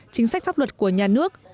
chính sách pháp luật của nhà nước